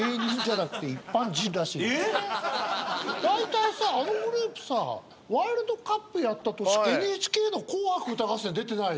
えっ⁉だいたいさあのグループさワールドカップやった年ＮＨＫの『紅白歌合戦』出てない？